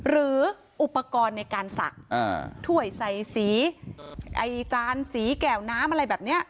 หรืออุปกรณ์ในการศักดิ์ถ้วยใส่สีไอ้จานสีแก่วน้ำอะไรแบบนี้